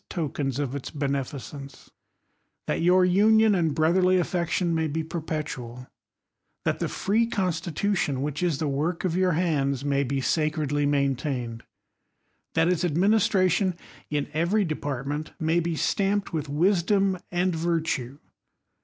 4okens of its benciiccnce ; that your union and broth icrly affection may be perpetual ; that the free consti Itution, which is the work of your hands, may be sa lly maintained ; that its administration in every de ancnt may be stomped with wisdom and virtue